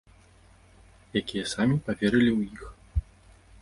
Якія самі паверылі ў іх.